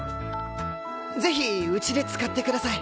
ぜひ家で使ってください。